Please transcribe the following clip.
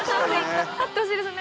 会ってほしいですね。